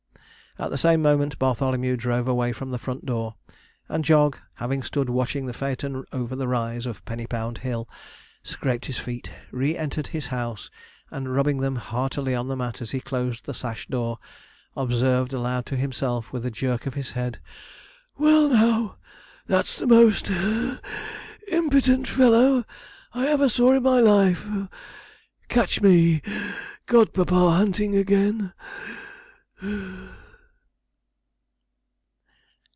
At the same moment, Bartholomew drove away from the front door; and Jog, having stood watching the phaeton over the rise of Pennypound Hill, scraped his feet, re entered his house, and rubbing them heartily on the mat as he closed the sash door, observed aloud to himself, with a jerk of his head: 'Well, now, that's the most (puff) impittent feller I ever saw in my life! Catch me godpapa hunting again.'